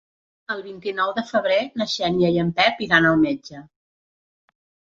El vint-i-nou de febrer na Xènia i en Pep iran al metge.